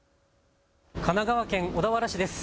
神奈川県小田原市です。